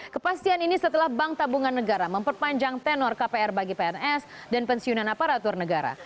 kepastian ini setelah bank tabungan negara memperpanjang tenor kpr bagi pns dan pensiunan aparatur negara